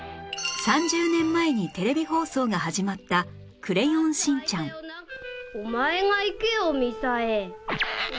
３０年前にテレビ放送が始まった『クレヨンしんちゃん』オマエが行けよみさえ。